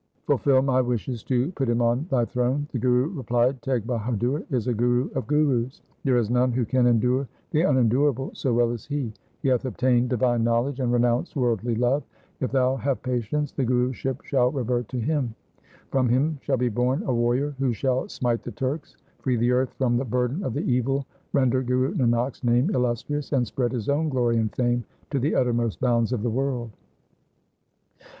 Fulfil my wishes to put him on thy throne.' The Guru replied, ' Teg Bahadur is a Guru of gurus. There is none who can endure the unendurable so well as he. He hath obtained divine knowledge and renounced worldly love. If thou have patience the Guruship shall revert to him. From him shall be born a warrior who shall smite the Turks, free the earth from the burden of the evil, render Guru Nanak's name illustrious, and spread his own glory and fame to the uttermost bounds of the world.'